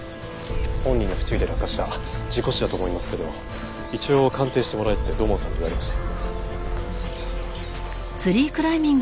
本人の不注意で落下した事故死だと思いますけど一応鑑定してもらえって土門さんに言われまして。